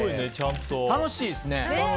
楽しいですね。